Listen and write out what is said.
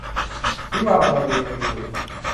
วิวาห์อลเวง - มณีบุษย์